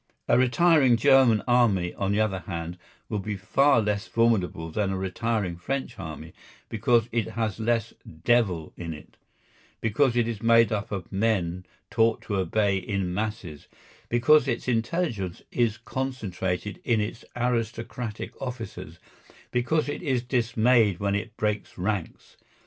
A retiring German army, on the other hand, will be far less formidable than a retiring French army, because it has less "devil" in it, because it is made up of men taught to obey in masses, because its intelligence is concentrated in its aristocratic officers, because it is dismayed when it breaks ranks.